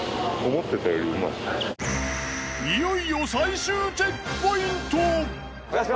いよいよ最終チェックポイント。